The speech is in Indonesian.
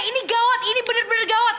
ini gawat ini bener bener gawat